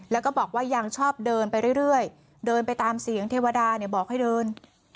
แล้วก็บอกว่ายังชอบเดินไปเรื่อยเดินไปตามเสียงเทวดาเนี่ยบอกให้เดิน